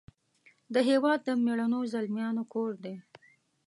د هیواد د میړنو زلمیانو کور دی .